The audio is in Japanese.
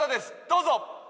どうぞ。